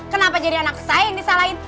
kenapa jadi anak saya yang disalahin